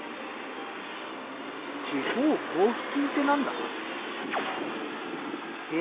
地方交付金ってなんだ？